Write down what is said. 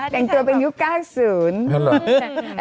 จังเจอเป็นยุค๙๐และมีอะไรอ่ะ